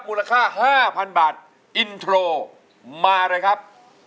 มูลค่า๕๐๐๐บาทอินโทรมาเลยครับ